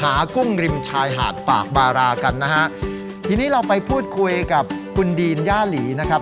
หากุ้งริมชายหาดปากบารากันนะฮะทีนี้เราไปพูดคุยกับคุณดีนย่าหลีนะครับ